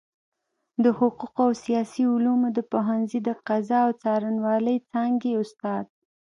د حقوقو او سياسي علومو د پوهنځۍ د قضاء او څارنوالۍ څانګي استاد